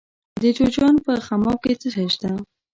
د جوزجان په خماب کې څه شی شته؟